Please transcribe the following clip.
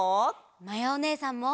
まやおねえさんも！